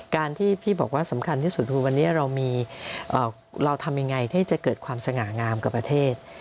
การที่พี่บอกว่าสำคัญที่สุดคือวันนี้เราทำยังไงที่จะเกิดความสง่างามกับประเทศ